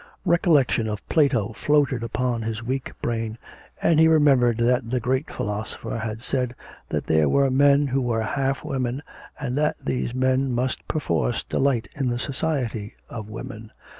Recollection of Plato floated upon his weak brain, and he remembered that the great philosopher had said that there were men who were half women, and that these men must perforce delight in the society of women.